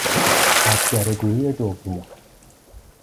پاپ گرگوری دوم